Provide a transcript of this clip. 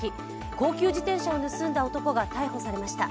高級自転車を盗んだ男が逮捕されました。